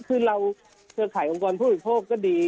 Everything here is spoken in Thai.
คือเราเครือข่ายองค์กรผู้บริโภคก็ดี